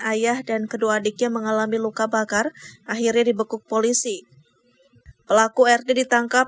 ayah dan kedua adiknya mengalami luka bakar akhirnya dibekuk polisi pelaku rd ditangkap